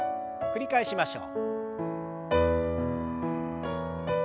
繰り返しましょう。